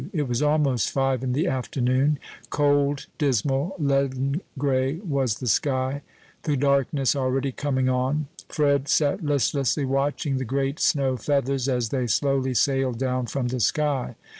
It was almost five in the afternoon: cold, dismal, leaden gray was the sky the darkness already coming on. Fred sat listlessly watching the great snow feathers, as they slowly sailed down from the sky.